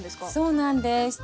そうなんです。